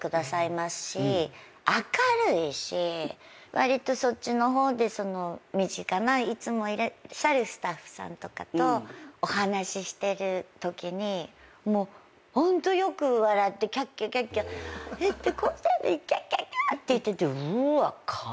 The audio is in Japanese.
割とそっちの方で身近ないつもいらっしゃるスタッフさんとかとお話ししてるときにホントよく笑ってキャッキャキャッキャ「えっキャッキャッキャ」って言っててうっわカワイイ！とか。